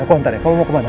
aku ntar ya kamu mau kemana